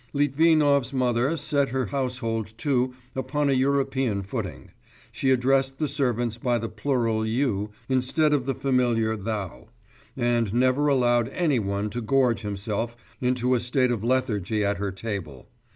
Litvinov's mother set her household too upon a European footing; she addressed the servants by the plural 'you' instead of the familiar 'thou,' and never allowed any one to gorge himself into a state of lethargy at her table.